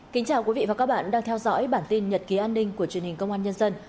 kính chào quý vị và các bạn đang theo dõi bản tin nhật ký an ninh của truyền hình công an nhân dân